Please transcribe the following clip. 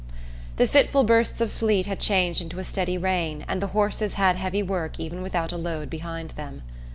The fitful bursts of sleet had changed into a steady rain and the horses had heavy work even without a load behind them.